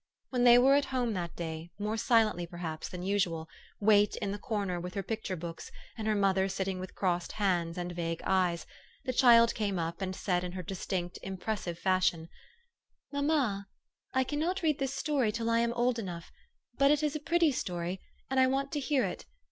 When they were at home that day, more silently, perhaps, than usual, Wait in the corner, with her picture books, and her mother sitting with crossed hands and vague eyes, the child came up, and said in her distinct, impressive fashion, " Mamma, I cannot read this story till I am old enough ; but it is a pretty story, and I want to hear it.